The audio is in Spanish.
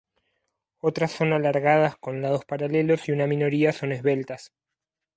Otras son alargadas con lados paralelos, y una minoría son esbeltas.